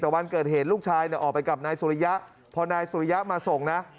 แต่วันเกิดเหตุลูกชายเนี่ยออกไปกับนายสุริยะพอนายสุริยะมาส่งนะ